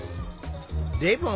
でも。